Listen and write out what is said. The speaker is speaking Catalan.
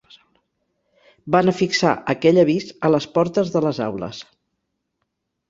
Van afixar aquell avís a les portes de les aules.